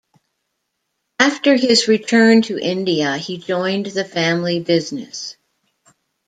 After his return to India, he joined the family business.